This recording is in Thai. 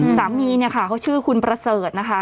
สามีเนี่ยค่ะเขาชื่อคุณประเสริฐนะคะ